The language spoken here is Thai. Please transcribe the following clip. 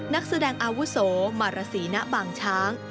นักแสดงอาวุโสมารสีณบางช้าง